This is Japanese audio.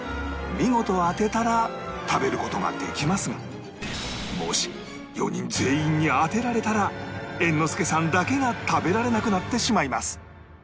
見事当てたら食べる事ができますがもし４人全員に当てられたら猿之助さんだけが食べられなくなってしまいます